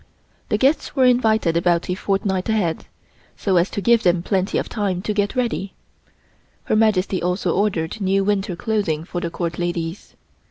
The guests were invited about a fortnight ahead, so as to give them plenty of time to get ready. Her Majesty also ordered new winter clothing for the Court ladies.